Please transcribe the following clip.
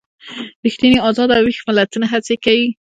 ریښتیني ازاد او ویښ ملتونه هڅې کوي.